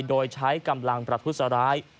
โดยใช้กำลังประทุษร้าย